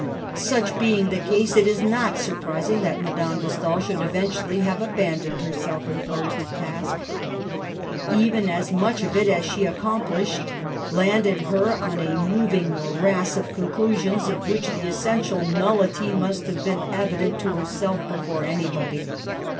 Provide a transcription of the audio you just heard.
Such being the case, it is not surprising that Madame de Stael should eventually have abandoned her self imposed task. Even as much of it as she accomplished landed her on a moving morass of conclusions of which the essential nullity must have been evident to herself before anybody.